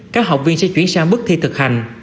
các học viên sẽ chuyển sang bước thi thực hành